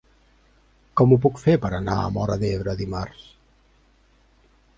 Com ho puc fer per anar a Móra d'Ebre dimarts?